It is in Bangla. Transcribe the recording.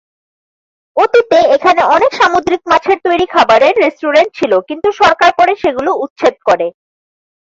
অতীতে এখানে অনেক সামুদ্রিক-মাছের তৈরি খাবারের রেস্টুরেন্ট ছিলো কিন্তু সরকার পরে সেগুলো উচ্ছেদ করে।